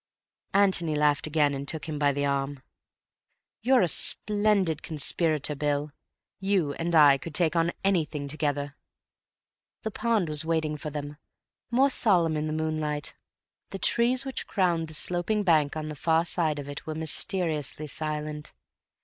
Antony laughed again and took him by the arm. "You're a splendid conspirator, Bill. You and I could take on anything together." The pond was waiting for them, more solemn in the moonlight. The trees which crowned the sloping bank on the far side of it were mysteriously silent.